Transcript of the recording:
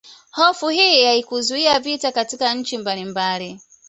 Hofu hii haikuzuia vita katika nchi mbalimbali